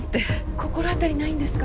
心当たりないんですか？